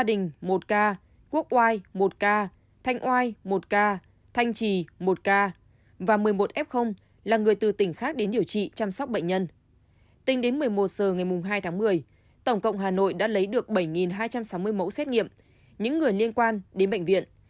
tổng cộng hà nội đã lấy được bảy hai trăm sáu mươi mẫu xét nghiệm những người liên quan đến bệnh viện